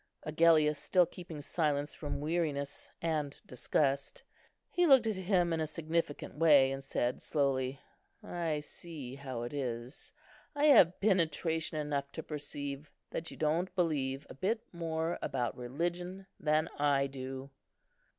Agellius still keeping silence from weariness and disgust, he looked at him in a significant way, and said, slowly, "I see how it is; I have penetration enough to perceive that you don't believe a bit more about religion than I do."